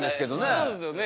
そうですよね。